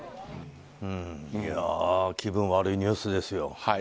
気分悪いニュースですよ。